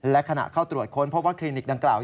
และขณะเข้าตรวจค้นพบว่าคลินิกดังกล่าว